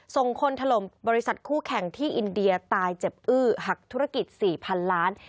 ส่งคนถล่มบริษัทคู่แข่งที่อินเดียตายเจ็บอื้อหักธุรกิจ๔๐๐๐ล้าน